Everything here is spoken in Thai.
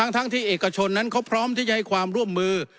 ทั้งที่เอกชนนั้นเขาพร้อมที่จะให้ความร่วมมือ